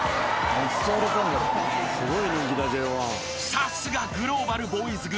［さすがグローバルボーイズグループ］